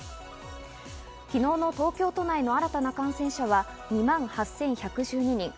昨日の東京都内の新たな感染者は２万８１１２人。